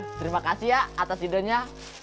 terima kasih ya atas idenya